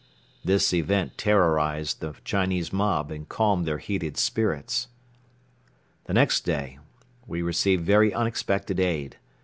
This event terrorized the Chinese mob and calmed their heated spirits. The next day we received very unexpected aid.